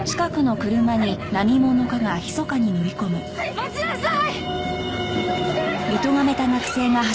待ちなさい！